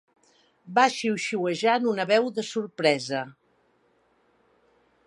Va xiuxiuejar en una veu de sorpresa.